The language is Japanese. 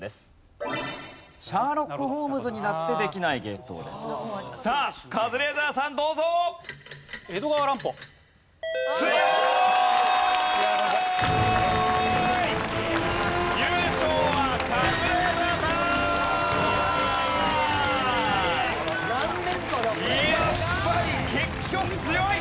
すごい。